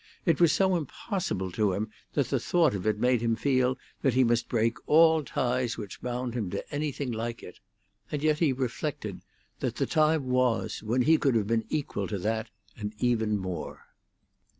It was so impossible to him that the thought of it made him feel that he must break all ties which bound him to anything like it. And yet he reflected that the time was when he could have been equal to that, and even more.